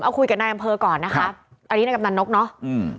เอาคุยกับนายอำเภอก่อนนะคะอันนี้นายกำนันนกเนอะอืม